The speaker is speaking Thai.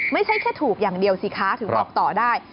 ไม่ใช่แค่ถูกอย่างเดียวสิคะถึงบอกต่อได้